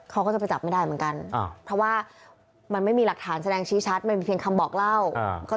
เขาก็จะไปจับไม่ได้เหมือนกันเพราะว่ามันไม่มีหลักฐานแสดงชี้ชัดมันมีเพียงคำบอกเล่า